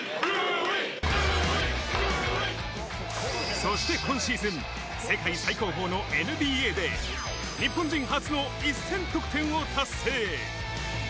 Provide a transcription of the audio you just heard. そして今シーズン、世界最高峰のＮＢＡで日本人初の１０００得点を達成。